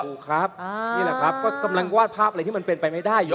ถูกครับนี่แหละครับก็กำลังวาดภาพอะไรที่มันเป็นไปไม่ได้อยู่